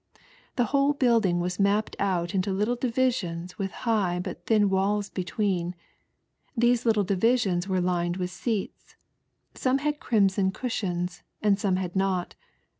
The whole building was mapped out into little divisions with high but thin walls between. These little divisions wei'e lined with seats, some had crimson cushions, and some had not.